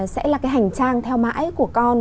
sẽ là cái hành trang theo mãi của con